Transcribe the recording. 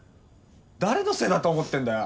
誰のせいだと思ってんだよ！